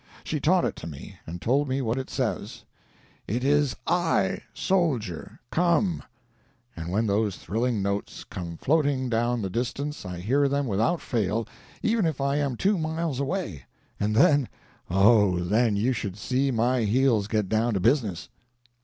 She taught it to me, and told me what it says: 'It is I, Soldier—come!' and when those thrilling notes come floating down the distance I hear them without fail, even if I am two miles away; and then—oh, then you should see my heels get down to business!